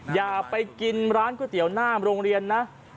อย่าไปกินร้านก๋วยเตี๋ยวหน้าโรงเรียนนะ